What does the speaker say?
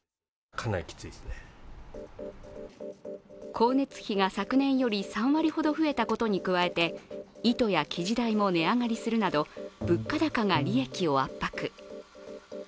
光熱費が昨年より３割ほど増えたことに加えて糸や生地代も値上がりするなど物価高が利益を圧迫。